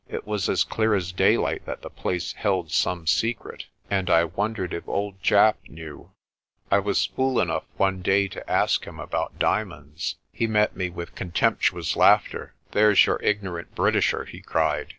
It was as clear as daylight that the place held some secret, and I wondered if old Japp knew. I was fool enough one day to ask him about diamonds. He met me with contemptuous laughter. "There's your ignorant Britisher," he cried.